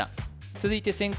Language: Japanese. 続いて先攻